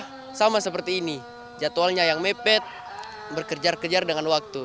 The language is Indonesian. jadi saya cuma seperti ini jadwalnya yang mepet berkejar kejar dengan waktu